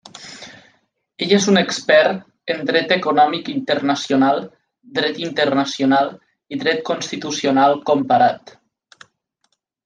Ell és un expert en dret econòmic internacional, dret internacional i dret constitucional comparat.